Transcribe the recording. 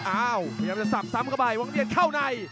อ้าวพยายามจะสับซ้ำเข้าไปวางน้ำเย็นเข้าใน